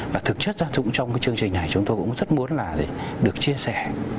và thực chất trong cái chương trình này chúng tôi cũng rất muốn là được chia sẻ